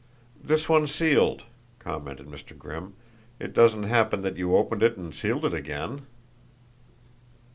"This one's sealed," commented Mr. Grimm. "It doesn't happen that you opened it and sealed it again?"